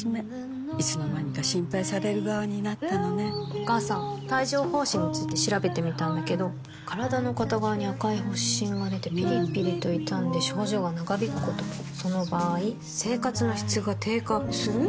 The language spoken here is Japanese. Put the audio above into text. お母さん帯状疱疹について調べてみたんだけど身体の片側に赤い発疹がでてピリピリと痛んで症状が長引くこともその場合生活の質が低下する？